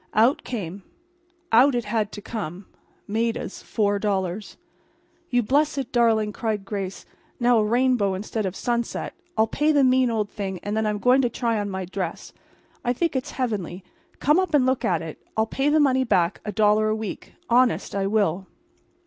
Out came—out it had to come—Maida's $4. "You blessed darling," cried Grace, now a rainbow instead of sunset. "I'll pay the mean old thing and then I'm going to try on my dress. I think it's heavenly. Come up and look at it. I'll pay the money back, a dollar a week—honest I will."